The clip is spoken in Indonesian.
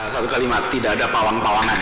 satu kalimat tidak ada pawang pawangan